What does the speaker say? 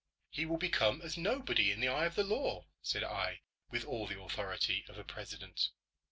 "He will become as nobody in the eye of the law," said I, with all the authority of a President.